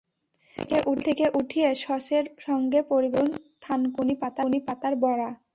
তেল থেকে উঠিয়ে সসের সঙ্গে পরিবেশন করুন থানকুনি পাতার বড়া।